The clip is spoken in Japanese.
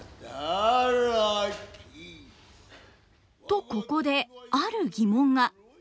とここである疑問が。